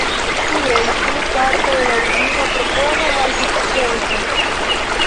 Tiel tiu parto de la origina propono malsukcesis.